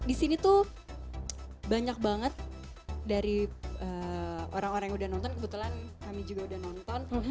di sini tuh banyak banget dari orang orang yang udah nonton kebetulan kami juga udah nonton